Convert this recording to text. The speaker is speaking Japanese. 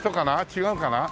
違うかな？